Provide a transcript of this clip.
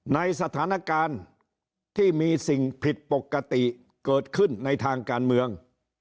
ในสถานการณ์ที่มีสิ่งผิดปกติเกิดขึ้นในทางการเมือง